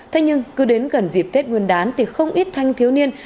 thế nhưng cứ đến gần dịp tết nguyên đán thì không ít thanh thiếu niên